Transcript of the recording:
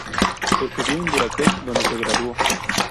Estudió en Bucarest donde se graduó.